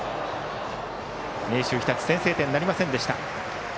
明秀日立先制点なりませんでした。